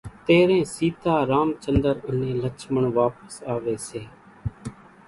تيرين سيتا، رامچندر انين لڇمڻ واپس آوي سي